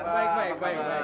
baik baik baik